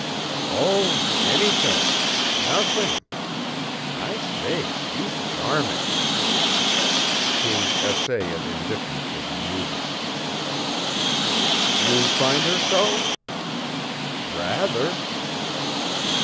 "Oh, anything nothing. I say, she's charming." His essay at indifference was amusing. "You find her so?" "Rather."